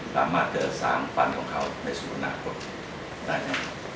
ตามมาเจอสร้างฟันของเค้าในสวดหน้าคนได้แล้ว